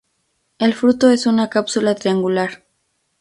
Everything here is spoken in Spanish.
El fruto es una cápsula triangular.